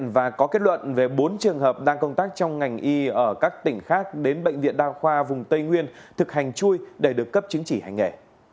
và có kết luận về bốn trường hợp đang công tác trong ngành y ở các tỉnh khác đến bệnh viện đa khoa vùng tây nguyên thực hành chui để được cấp chứng chỉ hành nghề